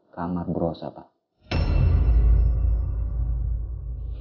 kamar beruasa pak